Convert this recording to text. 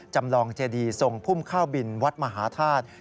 จำลองเจดีทรงพุ่มข้าวบินวัดมหาธาตุ